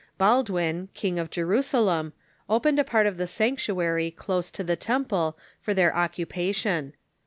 Baldwin, King of Jerusalem, opened a part of the sanctuary close to the temple for their occupa tion.